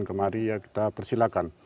kemari ya kita persilahkan